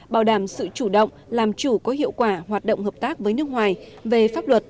bảo đảm sự chủ động làm chủ có hiệu quả hoạt động hợp tác với nước ngoài về pháp luật